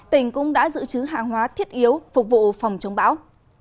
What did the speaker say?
tỉnh cũng đã giữ chứa hạng hóa thiết yếu phục vụ phòng chống bão